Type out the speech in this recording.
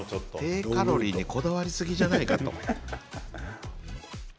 低カロリーにこだわりすぎないんじゃないかな。